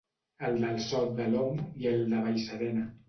el del Sot de l'Om i el de Vallserena